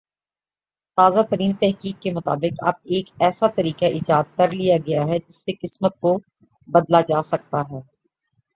تازہ ترین تحقیق کے مطابق اب ایک ایسا طریقہ ایجاد کر لیا گیا ہے جس سے قسمت کو بدلہ جاسکتا ہے